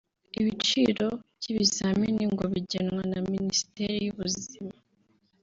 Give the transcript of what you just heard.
Ibiciro by’ibizamini ngo bigenwa na Minisiteri y’Ubuzima